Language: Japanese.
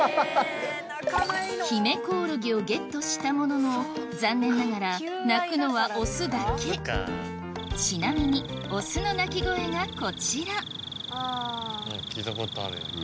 ヒメコオロギをゲットしたものの残念ながら鳴くのはオスだけちなみにオスの鳴き声がこちら聞いたことある。